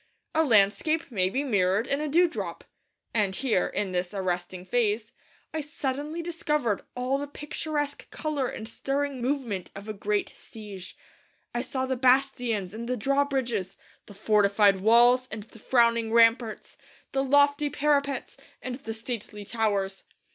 A landscape may be mirrored in a dewdrop; and here, in this arresting phrase, I suddenly discovered all the picturesque colour and stirring movement of a great siege. I saw the bastions and the drawbridges; the fortified walls and the frowning ramparts; the lofty parapets and the stately towers.